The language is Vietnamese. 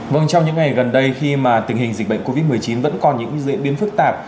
vâng trong những ngày gần đây khi mà tình hình dịch bệnh covid một mươi chín vẫn còn những diễn biến phức tạp